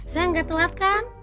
sayang gak telat kan